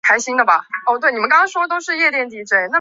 雷诺因此守住车队排名第四的位子。